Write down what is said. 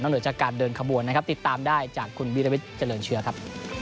เหนือจากการเดินขบวนนะครับติดตามได้จากคุณวิรวิทย์เจริญเชื้อครับ